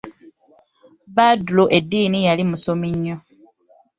Badru eddiini yali musomi nnyo.